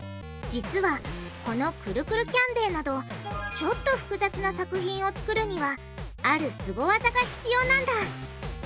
実はこのくるくるキャンデーなどちょっと複雑な作品を作るにはあるスゴ技が必要なんだ。